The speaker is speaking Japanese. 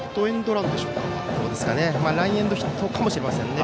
ランエンドヒットかもしれませんね。